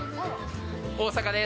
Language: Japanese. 大阪です。